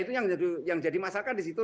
itu yang jadi masalah kan disitu